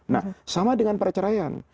nah sama dengan perceraian